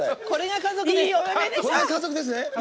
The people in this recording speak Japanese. これが家族ですね。